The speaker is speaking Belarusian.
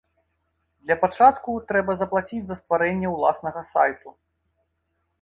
Для пачатку трэба заплаціць за стварэнне ўласнага сайту.